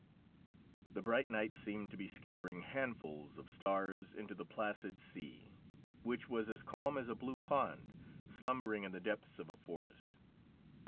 The bright night seemed to be scattering handfuls of stars into the placid sea, which was as calm as a blue pond, slumbering in the depths of a forest.